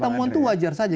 pertemuan itu wajar saja